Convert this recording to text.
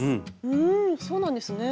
うんそうなんですね。